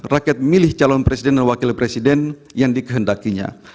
rakyat memilih calon presiden dan wakil presiden yang dikehendakinya